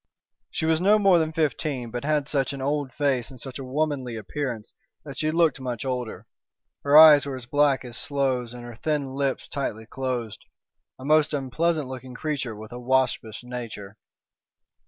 She was no more than fifteen, but had such an old face and such a womanly appearance that she looked much older. Her eyes were as black as sloes and her thin lips tightly closed. A most unpleasant looking creature with a waspish nature.